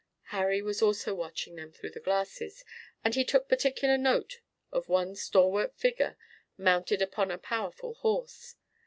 Harry was also watching them through glasses, and he took particular note of one stalwart figure mounted upon a powerful horse.